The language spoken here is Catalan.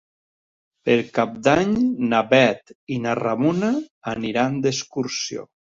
Per Cap d'Any na Bet i na Ramona aniran d'excursió.